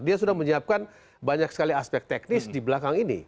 dia sudah menyiapkan banyak sekali aspek teknis di belakang ini